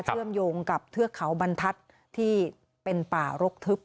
เชื่อมโยงกับเทือกเขาบรรทัศน์ที่เป็นป่ารกทึบ